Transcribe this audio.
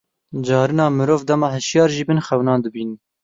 Carinan mirov dema hişyar jî bin xewnan dibînin.